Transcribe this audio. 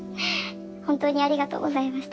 ほんとにありがとうございました。